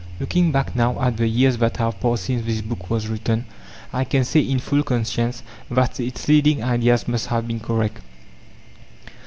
Looking back now at the years that have passed since this book was written, I can say in full conscience that its leading ideas must have been correct.